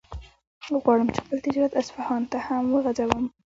غواړم چې خپل تجارت اصفهان ته هم وغځوم.